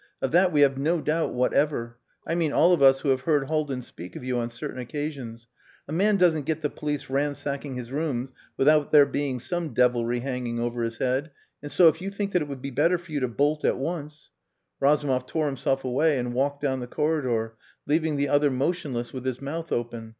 Of that we have no doubt whatever I mean all of us who have heard Haldin speak of you on certain occasions. A man doesn't get the police ransacking his rooms without there being some devilry hanging over his head.... And so if you think that it would be better for you to bolt at once...." Razumov tore himself away and walked down the corridor, leaving the other motionless with his mouth open.